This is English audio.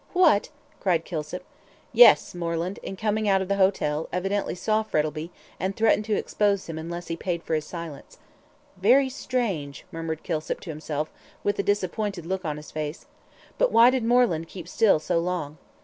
"What!" cried Kilsip. "Yes, Moreland, in coming out of the hotel, evidently saw Frettlby, and threatened to expose him unless he paid for his silence." "Very strange," murmured Kilsip, to himself, with a disappointed look on his face. "But why did Moreland keep still so long?"